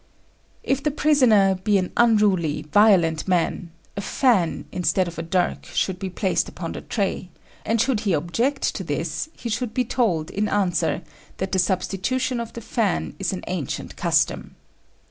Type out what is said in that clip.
] If the prisoner be an unruly, violent man, a fan, instead of a dirk, should be placed upon the tray; and should he object to this, he should be told, in answer, that the substitution of the fan is an ancient custom.